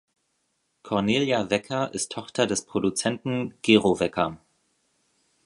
Cornelia Wecker ist Tochter des Produzenten Gero Wecker.